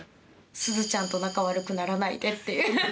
すずちゃんと仲悪くならないでっていう。